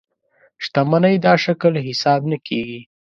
شتمنۍ دا شکل حساب نه کېږي.